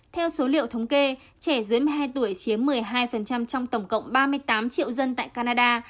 theo số liệu thống kê trẻ dưới một mươi hai tuổi chiếm một mươi hai trong tổng cộng ba mươi tám triệu dân tại canada